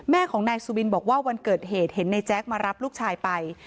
แม่ของนายสุบินบอกว่าวันเกิดเหตุเห็นในแจ๊คมารับลูกชายไป